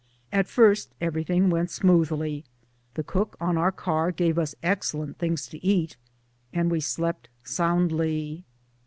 At first everything went smoothly. The cook on our car gave us excellent things to eat, and we slept soundly.